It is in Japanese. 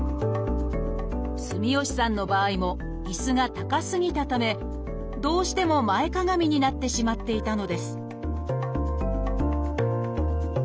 住吉さんの場合も椅子が高すぎたためどうしても前かがみになってしまっていたのです